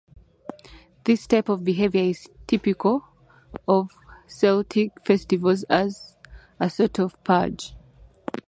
This type of behaviour is typical of Celtic festivals as a sort of purge.